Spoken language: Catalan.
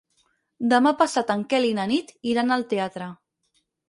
Demà passat en Quel i na Nit iran al teatre.